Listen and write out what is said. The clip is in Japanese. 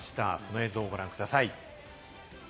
映像をご覧ください。